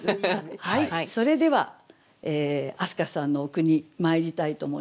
はいそれでは明日香さんのお句にまいりたいと思います。